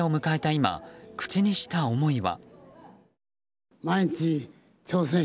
今口にした思いは。